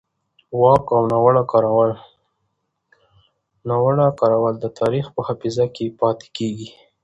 د واک ناوړه کارول د تاریخ په حافظه کې پاتې کېږي